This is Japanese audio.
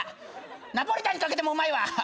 ナポリタンにかけてもうまいわ。